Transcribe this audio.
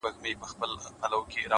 زړورتیا د وېرو د ماتولو لومړی قدم دی!.